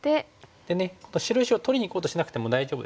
でね白石を取りにいこうとしなくても大丈夫です。